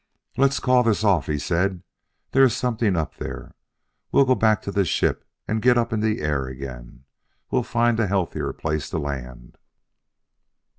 "Let's call this off," he said: "there is something up there. We'll go back to the ship and get up in the air again. We'll find a healthier place to land."